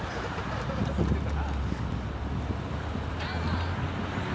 言ってたな。